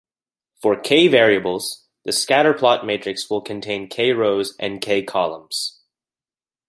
For k variables, the scatterplot matrix will contain k rows and k columns.